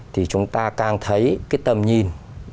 thì chúng ta càng thấy cái tầm nhìn